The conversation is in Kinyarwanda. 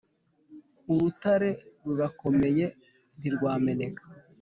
urutare rurakomeye ntirwameneka.